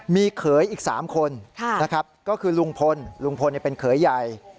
มีเขยอีก๓คนนะครับก็คือลุงพลลุงพลเป็นเขยใหญ่